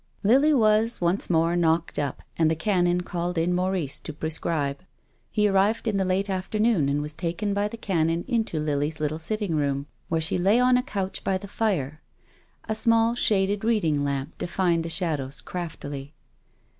Lily was, once more, knocked up, and the Canon called in Maurice to prescribe. He arrived in the late afternoon and was taken by the Canon into Lily's little sitting room, where she lay on a couch by the fire. A small, shaded, reading lamp defined the shadows craftily.